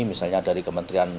misalnya dari kementerian